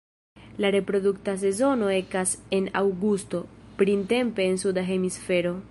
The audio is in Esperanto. La reprodukta sezono ekas en aŭgusto, printempe en Suda Hemisfero.